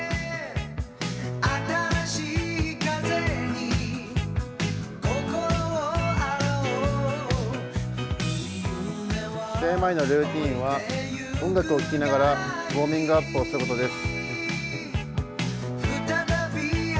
試合前のルーチンは音楽を聴きながらウォーミングアップをすることです。